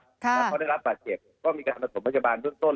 ถ้าเขาได้รับปลาเจ็บก็มีการระสบพยาบาลด้วยต้น